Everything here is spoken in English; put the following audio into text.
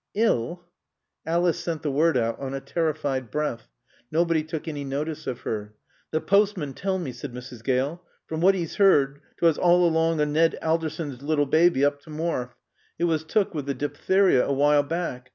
"Ill?" Alice sent the word out on a terrified breath. Nobody took any notice of her. "T' poastman tell mae," said Mrs. Gale. "From what 'e's 'eerd, 'twas all along o' Nad Alderson's lil baaby up to Morfe. It was took wi' the diptheery a while back.